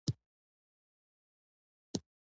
فورډ ټينګار وکړ او ويې ويل چې دوام ورکړئ.